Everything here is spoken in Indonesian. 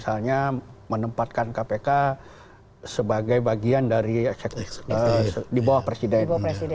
misalnya menempatkan kpk sebagai bagian dari di bawah presiden